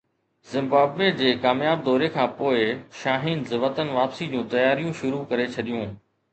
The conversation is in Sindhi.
زمبابوي جي ڪامياب دوري کانپوءِ شاهينز وطن واپسي جون تياريون شروع ڪري ڇڏيون